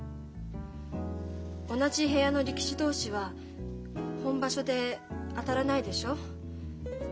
同じ部屋の力士同士は本場所で当たらないでしょ？